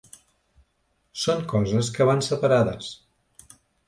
Són coses que van separades.